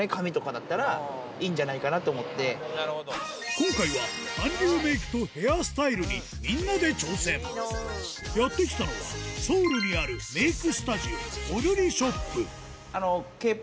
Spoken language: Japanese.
今回は韓流メイクとヘアスタイルにみんなで挑戦やって来たのはソウルにあるメイク